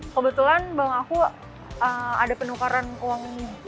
kebetulan bang aku ada penukaran uang minggu